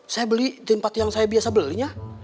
saya beli di tempat yang biasa belinya